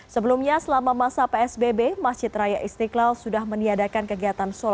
sebelumnya selama masa psbb masjid raya istiqlal sudah meniadakan kegiatan